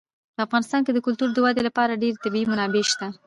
په افغانستان کې د کلتور د ودې لپاره ډېرې طبیعي منابع شته دي.